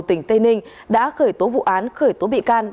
tỉnh tây ninh đã khởi tố vụ án khởi tố bị can